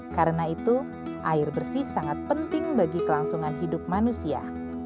karena itu air bersih sangat penting bagi kelangsungan hidup manusia